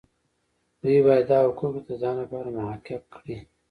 دوی باید دا حقوق د ځان لپاره محقق کړي.